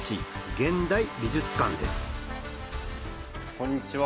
こんにちは。